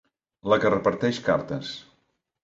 La que reparteix cartes.